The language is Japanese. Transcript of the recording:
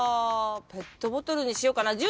ペットボトルにしようかな。